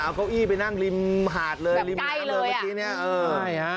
เอาเก้าอี้ไปนั่งริมหาดเลยริมน้ำเลยเมื่อกี้เนี้ยเออใช่ฮะ